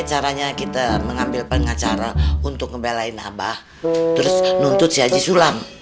caranya kita mengambil pengacara untuk ngebelain abah terus nuntut si haji sulam